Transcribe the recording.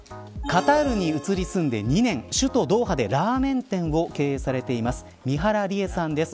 カタールに移り住んで２年首都ドーハでラーメン店を経営されています三原理絵さんです。